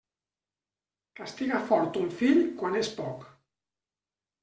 Castiga fort ton fill quan és poc.